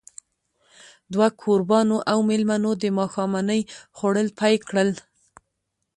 دوه کوربانو او مېلمنو د ماښامنۍ خوړل پيل کړل.